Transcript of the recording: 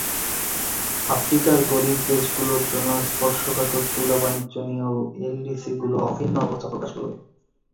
আফ্রিকার গরিব দেশগুলোর জন্য স্পর্শকাতর তুলাবাণিজ্য নিয়েও এলডিসিগুলো অভিন্ন অবস্থা প্রকাশ করবে।